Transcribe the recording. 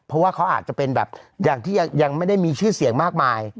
เพราะว่าเขาอาจจะเป็นแบบอย่างที่ยังไม่ได้มีชื่อเสียงมากมาย